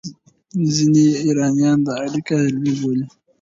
ځینې ایرانیان دا اړیکه عملي بولي.